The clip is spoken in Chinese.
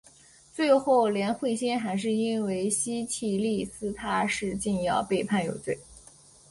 最后连惠心还是因为西替利司他是禁药被判有罪。